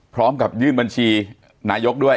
พร้อมกับยื่นบัญชีนายกด้วย